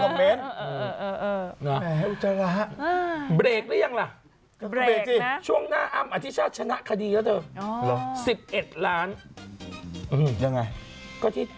มีเขาบอกเลยว่าหมามคงจะไปขี้ในปากคนหนึ่งหมะเม้น